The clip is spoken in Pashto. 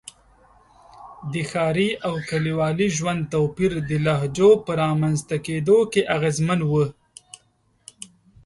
د ښاري او کلیوالي ژوند توپیر د لهجو په رامنځته کېدو کې اغېزمن و.